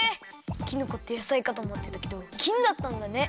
きのこって野菜かとおもってたけどきんだったんだね。